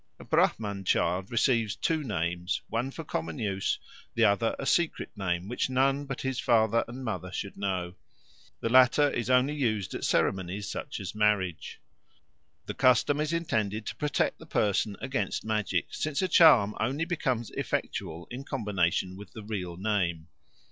A Brahman child receives two names, one for common use, the other a secret name which none but his father and mother should know. The latter is only used at ceremonies such as marriage. The custom is intended to protect the person against magic, since a charm only becomes effectual in combination with the real name.